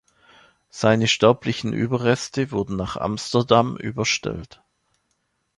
Seine sterblichen Überreste wurden nach Amsterdam überstellt.